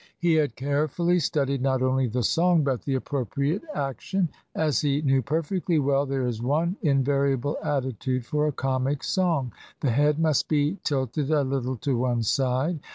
He had carefully studied not only the song but the appropriate action. As he knew perfectly well, there is one invariable attitude for a comic song. The head must be tilted a little to one side.